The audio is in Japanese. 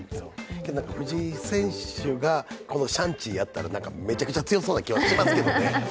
藤井選手がシャンチーやったらめちゃくちゃ強そうな気がしますけどね。